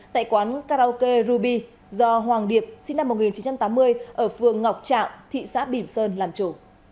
tại quán karaoke ruby do hoàng điệp sinh năm một nghìn chín trăm tám mươi ở phường ngọc trạng thị xã bỉm sơn làm chủ